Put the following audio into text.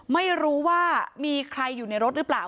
ไม่รู้ว่ามีใครอยู่ในรถหรือเปล่า